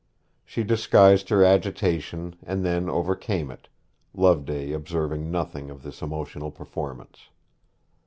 She disguised her agitation and then overcame it, Loveday observing nothing of this emotional performance.